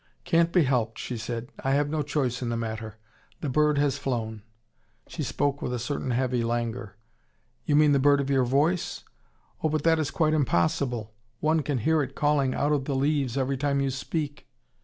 "Can't be helped," she said. "I have no choice in the matter. The bird has flown " She spoke with a certain heavy languor. "You mean the bird of your voice? Oh, but that is quite impossible. One can hear it calling out of the leaves every time you speak."